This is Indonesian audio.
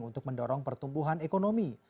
untuk mendorong pertumbuhan ekonomi